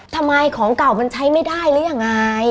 ทำไมของเก่ามันใช้ไม่ได้รึอยังไง